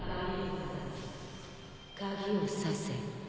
・鍵を挿せ。